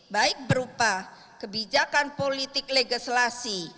baik berupa kebijakan politik legislasi